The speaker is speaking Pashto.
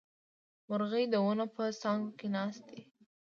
مرغۍ د ونو په څانګو کې ناستې دي